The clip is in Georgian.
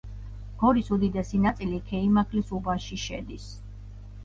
გორის უდიდესი ნაწილი ქეიმაქლის უბანში შედის.